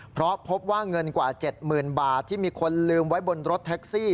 เพราะพบว่าเงินกว่า๗๐๐๐บาทที่มีคนลืมไว้บนรถแท็กซี่